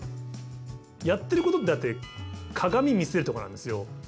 やってることってだって鏡見せるところなんですよ。